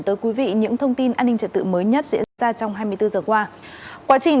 tới quý vị những thông tin an ninh trật tự mới nhất diễn ra trong hai mươi bốn giờ qua quá trình